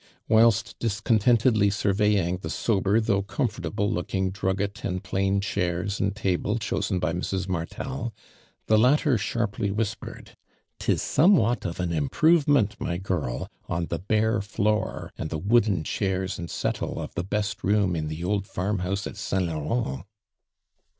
Whilst discontentedly surveying the sober though comfortable looking drugget and plain chairs and table chosen by Mrs. Martel, the latter sharply whispered :" 'Tis somewhat of an improvement, my girl, on the bare Hoor, and the wood(>n chairs and settle of the best room, in the old farm house at St. Laurent